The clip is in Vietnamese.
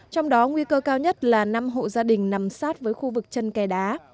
trong đó nguy cơ cao nhất là năm hộ gia đình nằm sát với khu vực chân kè đá